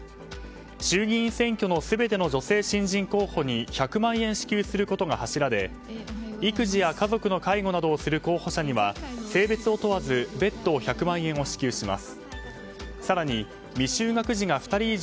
衆議院選挙の全ての女性新人候補に１００万円支給することが柱で育児や家族の介護などをする候補者には性別を問わず別途１００万円を支給します。